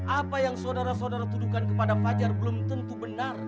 apa yang saudara saudara tuduhkan kepada fajar belum tentu benar